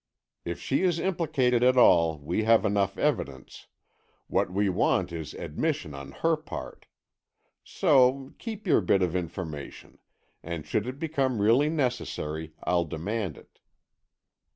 If she is implicated at all, we have enough evidence, what we want is admission on her part. So, keep your bit of information and should it become really necessary I'll demand it."